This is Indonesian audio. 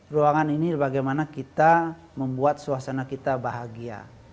ruangan ini bagaimana kita membuat suasana kita bahagia